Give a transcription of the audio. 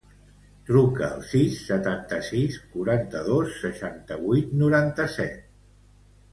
Truca al sis, setanta-sis, quaranta-dos, seixanta-vuit, noranta-set.